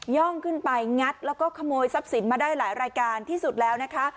่องขึ้นไปงัดแล้วก็ขโมยทรัพย์สินมาได้หลายรายการที่สุดแล้วนะคะ